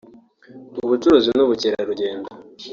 ubucuruzi n’ ubukerarugendo